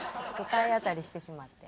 体当たりしてしまって。